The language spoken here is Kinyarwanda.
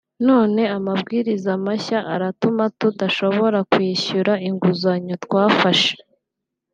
none amabwiriza mashya aratuma tudashobora kwishyura inguzanyo twafashe